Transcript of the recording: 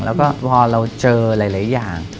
แล้วก็พอเราเจอหลายอย่าง